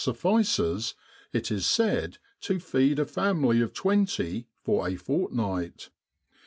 suffices, it is said, to feed a family of twenty for a fortnight.